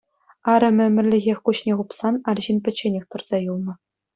Арӑмӗ ӗмӗрлӗхех куҫне хупсан арҫын пӗчченех тӑрса юлнӑ.